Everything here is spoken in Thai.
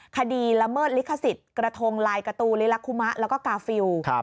ละเมิดลิขสิทธิ์กระทงลายการ์ตูลิลาคุมะแล้วก็กาฟิล